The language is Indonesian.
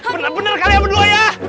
bener bener kalian berdua ya